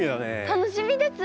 楽しみです。